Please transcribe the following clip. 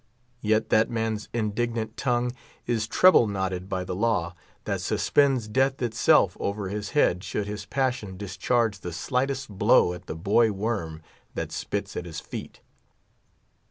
Yet that man's indignant tongue is treble knotted by the law, that suspends death itself over his head should his passion discharge the slightest blow at the boy worm that spits at his feet.